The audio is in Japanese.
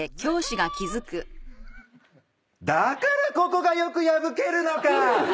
だからここがよく破けるのか！